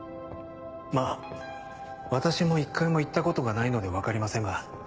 まぁ私も一回も行ったことがないので分かりませんが。